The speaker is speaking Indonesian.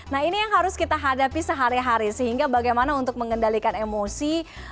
nah ini yang harus kita hadapi sehari hari sehingga bagaimana untuk mengendalikan emosi